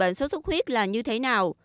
bệnh xuất xuất huyết là như thế nào